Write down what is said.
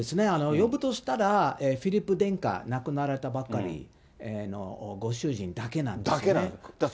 呼ぶとしたらフィリップ殿下、亡くなったばっかりのご主人だけなんですね。だけなんです。